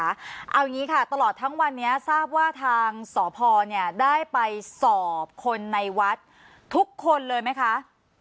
เอาอย่างงี้ค่ะตลอดทั้งวันนี้ทางศพได้ไปสอบคนในวัดทุกคนเลยไหมคะ